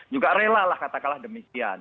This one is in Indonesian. juga rela lah katakanlah demikian